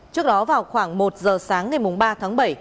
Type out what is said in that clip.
trước đó vào khoảng một giờ sáng ngày ba tháng bảy